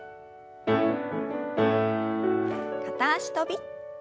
片脚跳び。